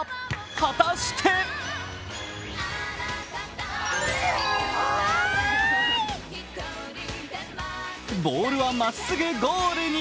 果たしてボールはまっすぐゴールに。